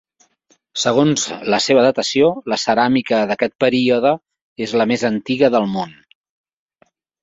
Segons la seva datació, la ceràmica d'aquest període és la més antiga del món.